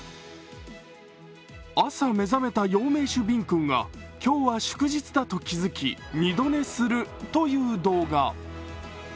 朝、目覚めた養命酒ビンくんが今日は祝日だと気づき二度寝するという動画。